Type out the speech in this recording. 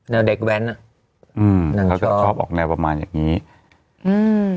เด็กแว้นอ่ะอืมเนี้ยเขาจะชอบออกแนวประมาณอย่างงี้อืม